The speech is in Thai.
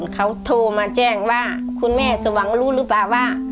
เขาโทรมาแจ้งว่าคุณแม่สวังรู้หรือเปล่าว่า